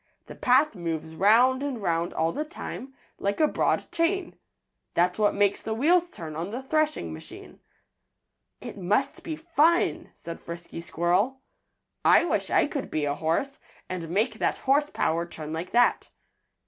The path moves 'round and 'round all the time, like a broad chain. That's what makes the wheels turn on the threshing machine." "It must be fun," said Frisky Squirrel. "I wish I could be a horse, and make that horse power turn like that."